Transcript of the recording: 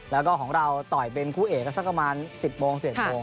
แล้วก็ของเราต่อยเป็นคู่เอกก็สักประมาณ๑๐โมง๑๑โมง